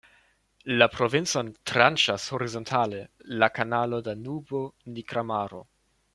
La provincon "tranĉas" horizontale la Kanalo Danubo-Nigra Maro.